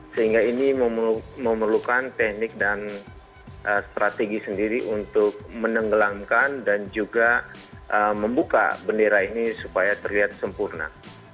sehingga ini memerlukan teknik dan strategi sendiri untuk menenggelamkan dan juga membuka bendera ini supaya terlihat sempurna